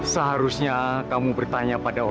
seharusnya kamu bertanya pada saya